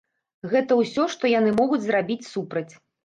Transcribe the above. Гэта ўсё, што яны могуць зрабіць супраць.